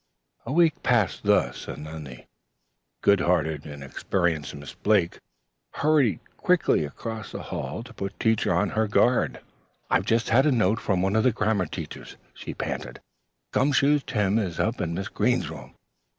A week passed thus, and then the good hearted and experienced Miss Blake hurried ponderously across the hall to put Teacher on her guard. "I've just had a note from one of the grammar teachers," she panted. "'Gum Shoe Tim' is up in Miss Green's room!